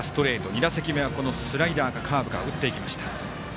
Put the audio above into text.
２打席目はスライダーかカーブ打っていきました。